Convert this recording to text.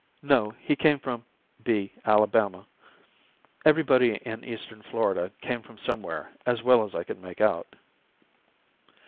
No; he came from B , Alabama. Everybody in eastern Florida came from somewhere, as well as I could make out.